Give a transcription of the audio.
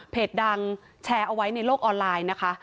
ดังแชร์เอาไว้ในโลกออนไลน์นะคะ